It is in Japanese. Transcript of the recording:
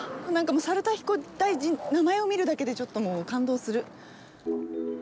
猿田彦大神、名前を見るだけでちょっと、もう感動する。